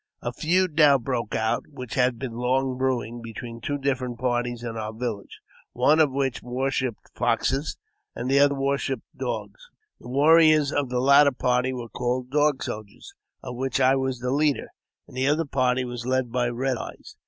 A feud now broke out, which had been long brewing, between two different parties in our village, one of which worshipped foxes, and the other worshipped dogs. The warriors of the latter party were called Dog Soldiers, of which I was the leader ; the other party was led by Red Eyes.